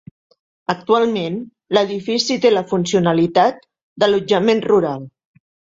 Actualment l'edifici té la funcionalitat d'allotjament rural.